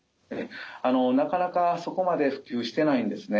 なかなかそこまで普及してないんですね。